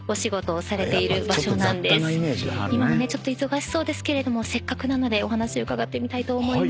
今もね忙しそうですけれどもせっかくなのでお話伺ってみたいと思います。